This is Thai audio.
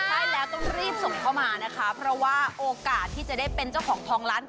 ใช่แล้วต้องรีบส่งเข้ามานะคะเพราะว่าโอกาสที่จะได้เป็นเจ้าของทองล้าน